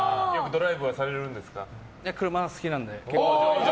車好きなので、結構。